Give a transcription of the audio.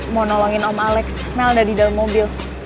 mau nolongin om alex mel ada di dalam mobil